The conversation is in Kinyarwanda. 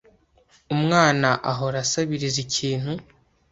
Umwana ahora asabiriza ikintu.